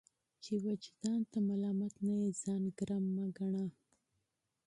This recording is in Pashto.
چي وجدان ته ملامت نه يې ځان ګرم مه ګڼه!